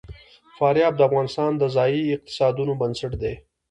فاریاب د افغانستان د ځایي اقتصادونو بنسټ دی.